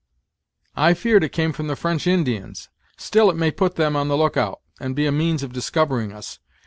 "I feared it came from the French Indians; still it may put them on the look out, and be a means of discovering us.